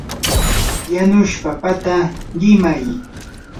yanush papata qimay.